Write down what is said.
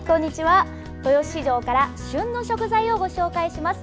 豊洲市場から旬の食材をご紹介します。